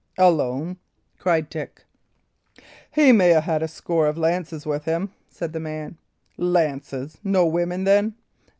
"Alone?" cried Dick. "He may 'a' had a score of lances with him," said the man. "Lances! No women, then?"